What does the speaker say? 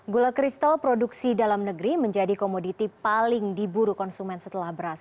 gula kristal produksi dalam negeri menjadi komoditi paling diburu konsumen setelah beras